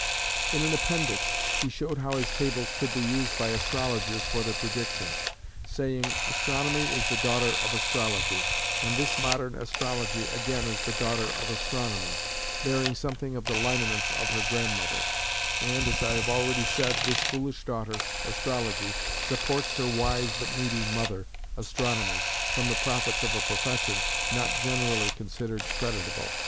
In an Appendix, he showed how his Tables could be used by astrologers for their predictions, saying "Astronomy is the daughter of Astrology, and this modern Astrology again is the daughter of Astronomy, bearing something of the lineaments of her grandmother; and, as I have already said, this foolish daughter, Astrology, supports her wise but needy mother, Astronomy, from the profits of a profession not generally considered creditable".